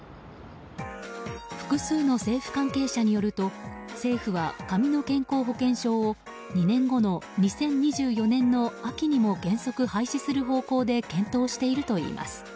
複数の政府関係者によると政府は紙の健康保険証を２年後の２０２４年の秋にも原則、廃止する方向で検討しているといいます。